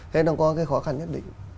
thế nó có cái khó khăn nhất định